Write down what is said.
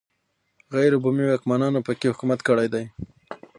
غیر بومي واکمنانو په کې حکومت کړی دی